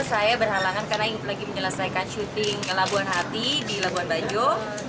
saya berhalangan karena ingin lagi menyelesaikan syuting ke labuan hati di labuan banjo